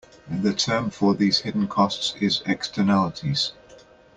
The term for these hidden costs is "Externalities".